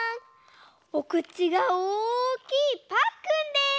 おくちがおおきいパックンです！